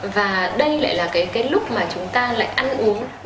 và đây lại là cái lúc mà chúng ta lại ăn uống